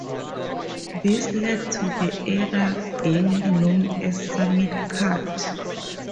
This led to the area being known as Summit Cut.